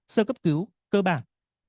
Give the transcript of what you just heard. sơ cấp cứu cơ bản